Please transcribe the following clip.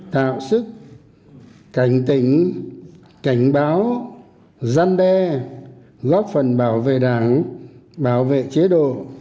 tạo sức cảnh tỉnh cảnh báo gian đe góp phần bảo vệ đảng bảo vệ chế độ